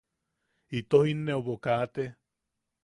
Ito jinneʼubo kate.